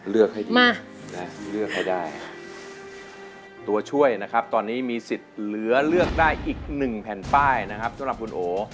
เลือกได้เลือกให้ได้ตัวช่วยตอนนี้มีศิษย์เหลือเลือกได้อีกหนึ่งแผ่นป้ายสำหรับคุณโอ๋